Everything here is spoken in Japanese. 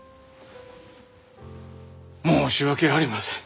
申し訳ありません！